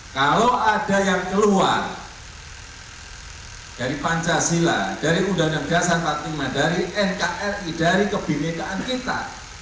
kalau ada yang keluar dari pancasila dari uud empat puluh lima dari nkri dari kebimintaan kita